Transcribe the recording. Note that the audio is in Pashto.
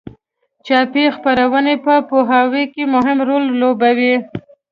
چاپي خپرونې په پوهاوي کې مهم رول ولوباوه.